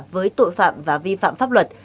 với tội phạm và vi phạm pháp luật